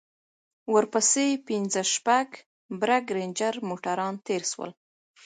ورپسې پنځه شپږ برگ رېنجر موټران تېر سول.